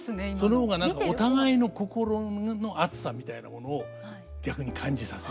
その方が何かお互いの心の熱さみたいなものを逆に感じさせてくれる。